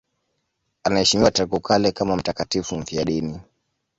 Anaheshimiwa tangu kale kama mtakatifu mfiadini.